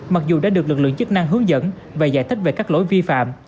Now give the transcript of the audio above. mặc dù đã được lực lượng chức năng hướng dẫn và giải thích về các lỗi vi phạm